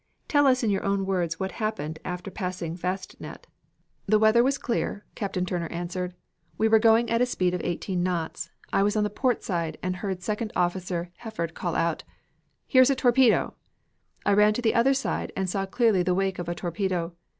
"Tell us in your own words what happened after passing Fastnet." "The weather was clear," Captain Turner answered. "We were going at a speed of eighteen knots. I was on the port side and heard Second Officer Hefford call out: "'Here's a torpedo!' "I ran to the other side and saw clearly the wake of a torpedo.